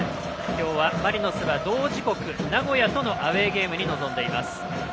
今日はマリノスが同時刻名古屋とのアウェーゲームに臨んでいます。